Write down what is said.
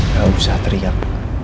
gak usah teriak